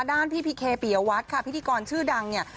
ด้านพี่พีเคปียวัตรค่ะพิธีกรชื่อดังเนี่ย